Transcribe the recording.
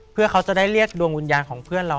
เพื่อเขาจะได้เรียกดวงวิญญาณของเพื่อนเรา